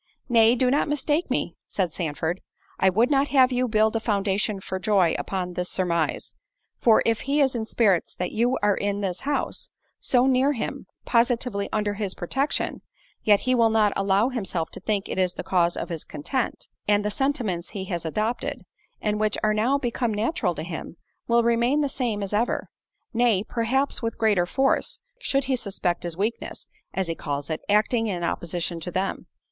"Nay, do not mistake me," said Sandford; "I would not have you build a foundation for joy upon this surmise; for if he is in spirits that you are in this house—so near him—positively under his protection—yet he will not allow himself to think it is the cause of his content—and the sentiments he has adopted, and which are now become natural to him, will remain the same as ever; nay, perhaps with greater force, should he suspect his weakness (as he calls it) acting in opposition to them."